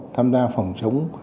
tham gia phòng chống